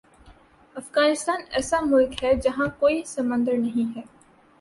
افغانستان ایسا ملک ہے جہاں کوئی سمندر نہیں ہے